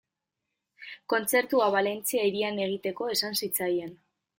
Kontzertua Valentzia hirian egiteko esan zitzaien.